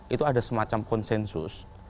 itu ada semacam konsensus